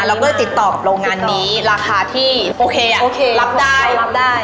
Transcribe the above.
เราก็เลยติดต่อกับโรงงานนี้ราคาที่โอเคอ่ะโอเครับได้รับได้